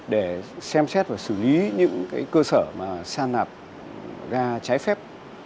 để xem xét và xử lý những cơ sở mà san nạp ga trái phép